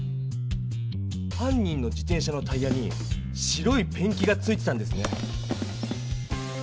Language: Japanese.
犯人の自転車のタイヤに白いペンキがついてたんですね。